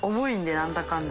何だかんだ。